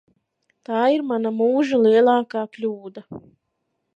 Tā ir mana mūža lielākā kļūda.